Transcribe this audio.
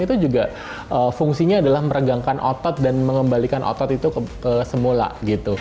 itu juga fungsinya adalah meregangkan otot dan mengembalikan otot itu ke semula gitu